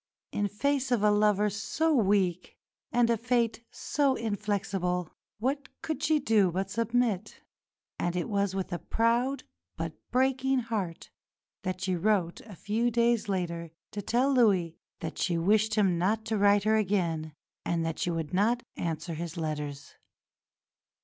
In face of a lover so weak, and a fate so inflexible, what could she do but submit? And it was with a proud but breaking heart that she wrote a few days later to tell Louis that she wished him not to write to her again and that she would not answer his letters.